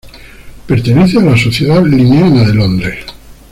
Pertenece a la Sociedad linneana de Londres.